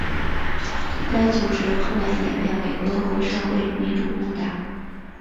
该组织后来演变为俄国社会民主工党。